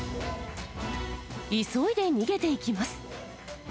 急いで逃げていきます。